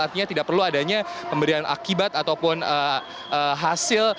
artinya tidak perlu adanya pemberian akibat ataupun hasil